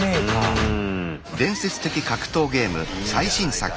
うん？